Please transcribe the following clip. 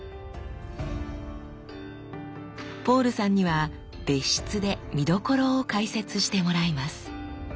ポールさんには別室で見どころを解説してもらいます。